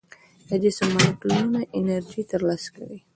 د جسم مالیکولونه انرژي تر لاسه کوي.